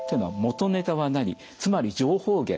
つまり情報源。